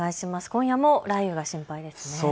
今夜も雷雨が心配ですね。